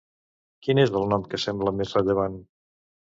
Quin és el nom que sembla més rellevant?